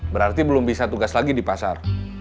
berarti belum bisa tugas lagi di pasar